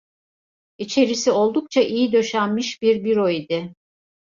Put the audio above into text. İçerisi, oldukça iyi döşenmiş bir büro idi.